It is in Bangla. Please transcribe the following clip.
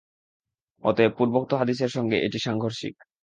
অতএব, পূর্বোক্ত হাদীসের সঙ্গে এটি সাংঘর্ষিক।